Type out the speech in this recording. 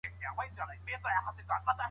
سیاست جوړونکي باید د خلکو په ژوند پوه سي.